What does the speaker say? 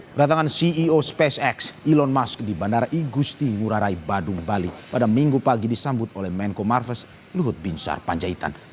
kedatangan ceo spacex elon musk di bandara igusti ngurah rai badung bali pada minggu pagi disambut oleh menko marves luhut binsar panjaitan